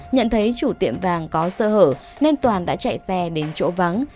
nhận thấy chủ tiệm vàng có sơ hở nên toàn đã chạy xe đến chỗ vắng